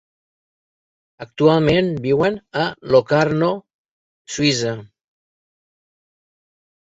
Actualment viuen a Locarno, Suïssa.